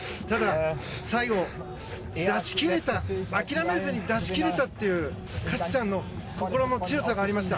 最後、出し切れた諦めずに出し切れたという勝木さんの心の強さがありました。